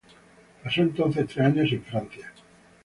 Pasó entonces tres años en Francia.